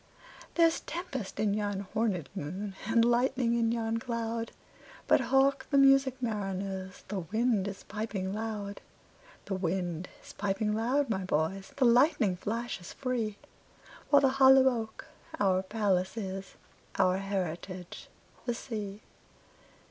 There's tempest in yon hornèd moon, And lightning in yon cloud:But hark the music, mariners! The wind is piping loud; The wind is piping loud, my boys, The lightning flashes free—While the hollow oak our palace is, Our heritage the sea.